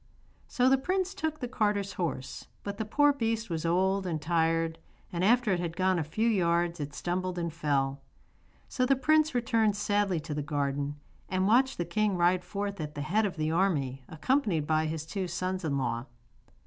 So the prince took the carter's horse, but the poor beast was old and tired, and after it had gone a few yards it stumbled and fell. So the prince returned sadly to the garden and watched the king ride forth at the head of the army accompanied by his two sons in law.